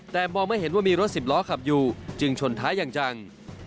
แต่มองไม่เห็นว่ามีรถสิบล้อขับอยู่จึงชนท้ายอย่างจัง